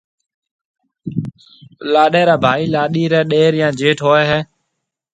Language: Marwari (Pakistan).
لاڏيَ را ڀائي لاڏيِ ريَ ڏَير يان جيٺ هوئي هيَ۔